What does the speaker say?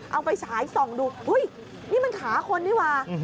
เอาไปฉายส่องดูอุ้ยนี่มันขาคนนี่ว่า